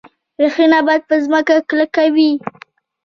ریښې نبات په ځمکه کلکوي